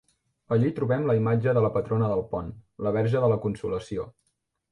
Allí trobem la imatge de la patrona d'Alpont: la Verge de la Consolació.